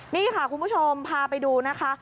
นี่ค่ะคุณผู้ชมพาไปดูนะคะ